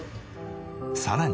さらに。